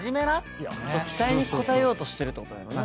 期待に応えようとしてるってことだよね